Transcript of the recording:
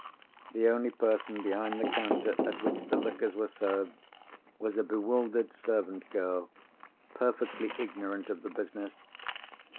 The only person behind the counter at which the liquors were served, was a bewildered servant girl, perfectly ignorant of the business.